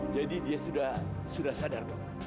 jadi dia sudah sadar dok